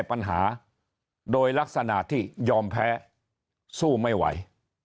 ปัญหาโดยลักษณะที่ยอมแพ้สู้ไม่ไหว